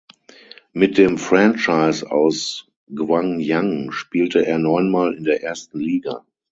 Mit dem Franchise aus Gwangyang spielte er neunmal in der ersten Liga.